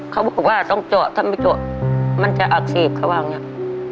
เขาบอกว่าต้องเจาะถ้าไม่เจาะมันจะอักเสบครับว่างเนี่ย